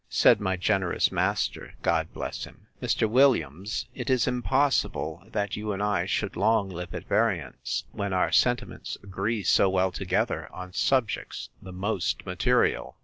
Said my generous master, (God bless him!) Mr. Williams, it is impossible that you and I should long live at variance, when our sentiments agree so well together, on subjects the most material.